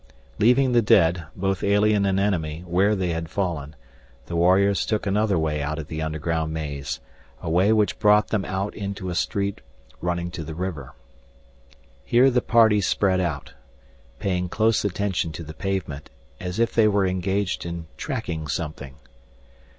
Leaving the dead, both alien and enemy, where they had fallen, the warriors took another way out of the underground maze, a way which brought them out into a street running to the river. Here the party spread out, paying close attention to the pavement, as if they were engaged in tracking something.